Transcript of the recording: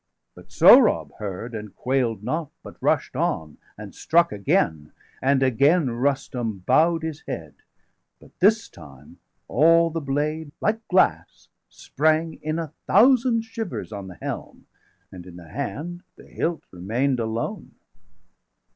°508 But Sohrab heard, and quail'd not, but rush'd on, And struck again; and again Rustum bow'd 510 His head; but this time all the blade, like glass, Sprang in a thousand shivers on the helm, And in the hand the hilt remain'd alone.